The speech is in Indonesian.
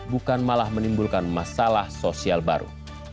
bukan malah menimbulkan masalah sosial baru